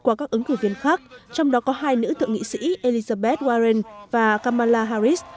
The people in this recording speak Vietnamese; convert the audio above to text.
qua các ứng cử viên khác trong đó có hai nữ thượng nghị sĩ elizabeth warren và kamala harris